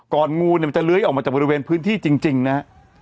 เพราะว่างูเนี่ยมันจะเล้ยออกมาจากบริเวณพื้นที่จริงนะครับ